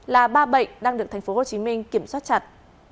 là ba bệnh đang được tp hcm kiểm soát chặt